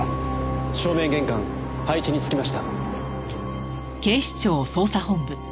正面玄関配置につきました。